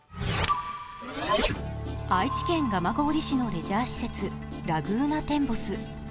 愛知県蒲郡市のレジャー施設、ラグーナテンボス。